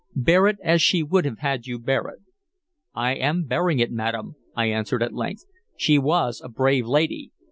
"Bear it as she would have had you bear it." "I am bearing it, madam," I answered at length. "'She was a brave lady.'